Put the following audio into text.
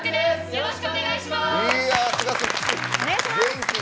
よろしくお願いします！